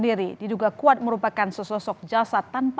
dia dibawa ke sawah rumput untuk menemui kapten a